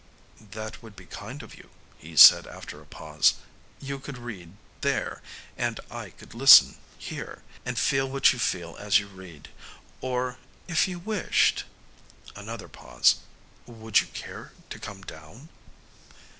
"That would be kind of you," he said after a pause. "You could read, there, and I could listen, here, and feel what you feel as you read ... or, if you wished ..." Another pause. "Would you care to come down?"